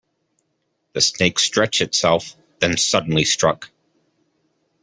The snake stretched itself, then suddenly struck.